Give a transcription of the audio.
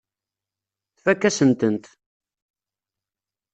Tfakk-asen-tent.